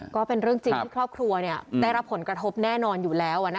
ก็เป็นเรื่องจริงที่ครอบครัวได้รับผลกระทบแน่นอนอยู่แล้ว